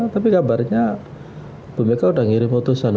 tapi kabarnya bumeka udah ngirim utusan